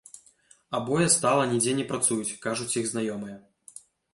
Абое стала нідзе не працуюць, кажуць іх знаёмыя.